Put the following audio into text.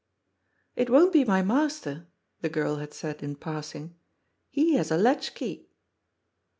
*^ It won't be my master," the girl had said in passing. " He has a latch key.'